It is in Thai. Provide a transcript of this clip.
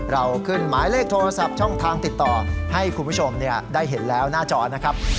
เราขึ้นหมายเลขโทรศัพท์ช่องทางติดต่อให้คุณผู้ชมได้เห็นแล้วหน้าจอนะครับ